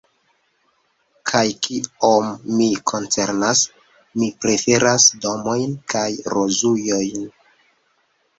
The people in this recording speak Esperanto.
Kaj kiom min koncernas, mi preferas domojn kaj rozujojn.